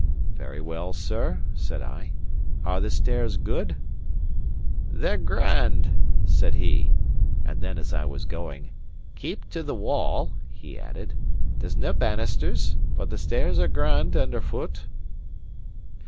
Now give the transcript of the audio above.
"Very well, sir," said I. "Are the stairs good?" "They're grand," said he; and then, as I was going, "Keep to the wall," he added; "there's nae bannisters. But the stairs are grand underfoot."